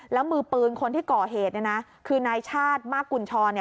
แล้วมือปืนคนที่ก่อเหตุเนี่ยนะคือนายชาติมากกุญชร